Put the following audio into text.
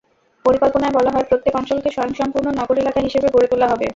পরিকল্পনায় বলা হয়, প্রত্যেক অঞ্চলকে স্বয়ংসম্পূর্ণ নগর এলাকা হিসেবে গড়ে তোলা হবে।